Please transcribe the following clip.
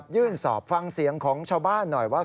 ยื่นสอบฟังเสียงของชาวบ้านหน่อยว่า